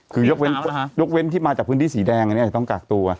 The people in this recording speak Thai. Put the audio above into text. คือยกเว้นที่มาจากพื้นที่สีแดงนี่ต้องกากตัว